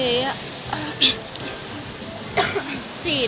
คุณสัมผัสดีครับ